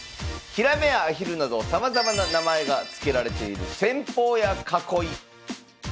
ひらめやアヒルなどさまざまな名前が付けられている戦法や囲い。